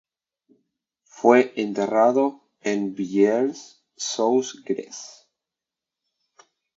Fue enterrado en Villiers-sous-Grez.